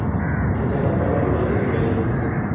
Que cada palo aguante su vela